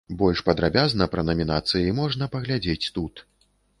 Больш падрабязна пра намінацыі можна паглядзець тут.